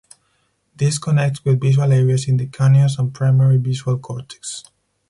This connects with visual areas in the cuneus and primary visual cortex.